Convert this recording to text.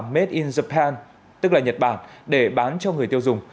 made in japan tức là nhật bản để bán cho người tiêu dùng